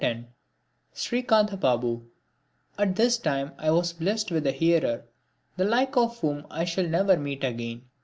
PART III (10) Srikantha Babu At this time I was blessed with a hearer the like of whom I shall never get again.